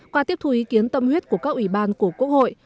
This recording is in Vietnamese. qua tiếp thu ý kiến tâm huyết của các ủy ban của quốc hội